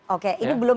oke ini belum